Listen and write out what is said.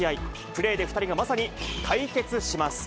プレーで２人が、まさに対決します。